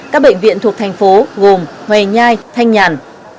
các bệnh viện thuộc thành phố gồm ngoài nhai thanh nhàn